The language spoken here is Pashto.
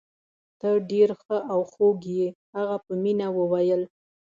ته ډیر ښه او خوږ يې. هغه په مینه وویل.